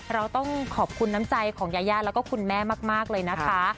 เราต้องขอบคุณน้ำใจของยายาแล้วก็คุณแม่มากเลยนะคะ